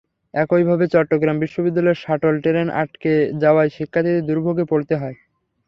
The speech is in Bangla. একইভাবে চট্টগ্রাম বিশ্ববিদ্যালয়ের শাটল ট্রেন আটকে যাওয়ায় শিক্ষার্থীদের দুর্ভোগে পড়তে হয়।